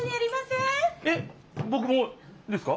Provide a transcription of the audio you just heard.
えっぼくもですか？